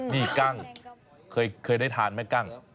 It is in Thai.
นี่กั้งเคยได้ทานแม่กั้ง